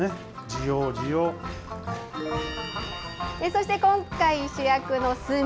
そして今回、主役の墨。